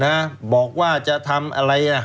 แล้วเขาก็ใช้วิธีการเหมือนกับในการ์ตูน